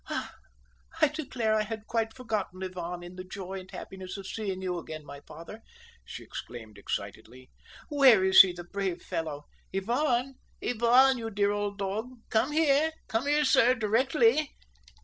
"Ah, I declare I had quite forgotten Ivan in the joy and happiness of seeing you again, my father," she exclaimed excitedly. "Where is he, the brave fellow? Ivan, Ivan, you dear old dog. Come here; come here, sir, directly!"